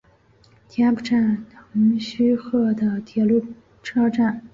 田浦站横须贺线的铁路车站。